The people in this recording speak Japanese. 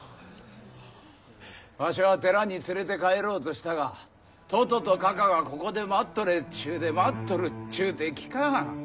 わしは寺に連れて帰ろうとしたがとととかかがここで待っとれっちゅうて待っとるっちゅうて聞かん。